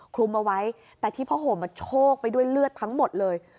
คลุมเอาไว้แต่ที่ผ้าห่มโชคไปด้วยเลือดทั้งหมดเลย